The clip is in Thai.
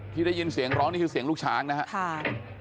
ที่ได้ยินเสียงร้องนี่คือเสียงลูกช้างนะครับ